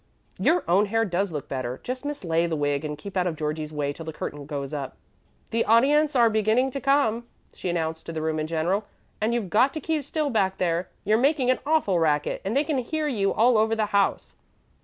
"Your own hair does look better. Just mislay the wig and keep out of Georgie's way till the curtain goes up. The audience are beginning to come," she announced to the room in general, "and you've got to keep still back there. You're making an awful racket, and they can hear you all over the house.